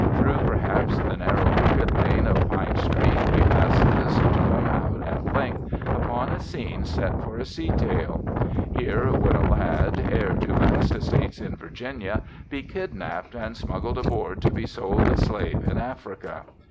Through, perhaps, the narrow, crooked lane of Pine Street he passes, to come out at length upon a scene set for a sea tale. Here would a lad, heir to vast estates in Virginia, be kidnapped and smuggled aboard to be sold a slave in Africa.